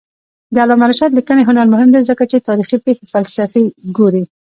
د علامه رشاد لیکنی هنر مهم دی ځکه چې تاریخي پېښې فلسفي ګوري.